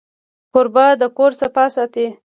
کوربه د کور صفا ساتي.